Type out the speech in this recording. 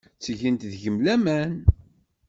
Ttgent deg-m laman.